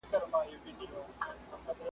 یو اوزګړی د کوهي خولې ته نیژدې سو .